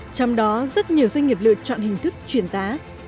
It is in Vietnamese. trong đó rất nhiều doanh nghiệp lựa chọn hình thức chuyển giá